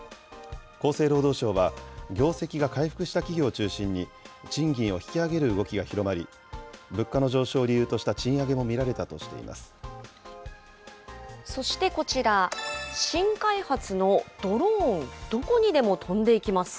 厚生労働省は、業績が回復した企業を中心に、賃金を引き上げる動きが広まり、物価の上昇を理由とした賃上げも見られたとしていまそしてこちら、新開発のドローン、どこにでも飛んでいきます？